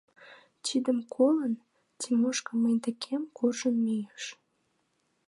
Тидым колын, Тимошка мый декем куржын мийыш.